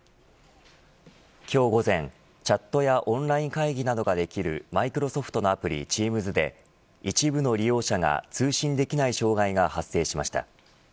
今日午前チャットやオンライン会議などができるマイクロソフトのアプリ、Ｔｅａｍｓで一部の利用者が通信できない障害が発生しました。